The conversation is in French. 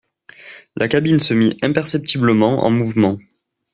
La cabine se mit imperceptiblement en mouvement